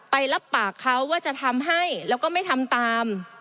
รับปากเขาว่าจะทำให้แล้วก็ไม่ทำตาม